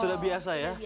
sudah biasa ya